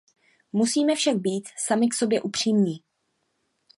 Musíme však být sami k sobě upřímní.